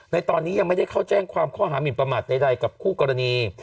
ในตอนนี้ยังไม่ได้เข้าแจ้งความข้อหามินประมาทใดกับคู่กรณี